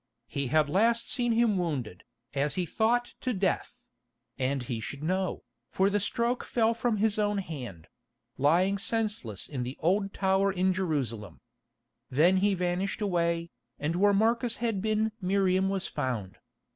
He had last seen him wounded, as he thought to death—and he should know, for the stroke fell from his own hand—lying senseless in the Old Tower in Jerusalem. Then he vanished away, and where Marcus had been Miriam was found.